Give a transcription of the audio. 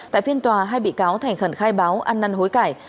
tại phiên tòa hai bị cáo thành khẩn khai báo ăn năn hối cải